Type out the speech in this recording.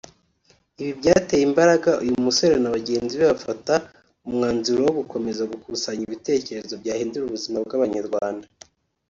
Ibi byateye imbaraga uyu musore na bagenzi be bafata umwanzuro wo gukomeza gukusanya ibitekerezo byahindura ubuzima bw’abanyarwanda